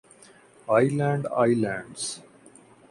Aland islands